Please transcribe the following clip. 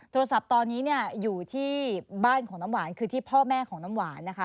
โทรศัพท์ตอนนี้เนี่ยอยู่ที่บ้านของน้ำหวานคือที่พ่อแม่ของน้ำหวานนะคะ